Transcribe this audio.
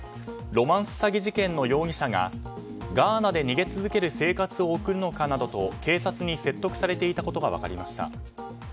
ロマンス詐欺事件の容疑者がガーナで逃げ続ける生活を送るのかなどと警察に説得されていたことが分かりました。